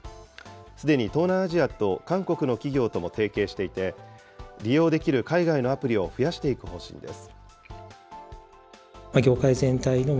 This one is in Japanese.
すでに東南アジアと韓国の企業とも提携していて、利用できる海外のアプリを増やしていく方針です。